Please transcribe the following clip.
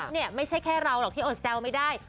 เนี่ยไม่ใช่แค่เราหรอกที่อดแซวไม่ได้